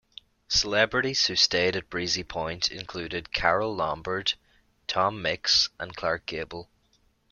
Celebrities who stayed at Breezy Point included Carole Lombard, Tom Mix and Clark Gable.